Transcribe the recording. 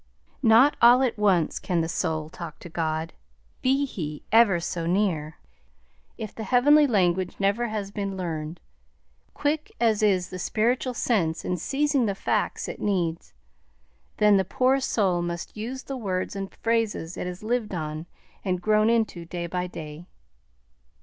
Not all at once can the soul talk with God, be He ever so near. If the heavenly language never has been learned, quick as is the spiritual sense in seizing the facts it needs, then the poor soul must use the words and phrases it has lived on and grown into day by day.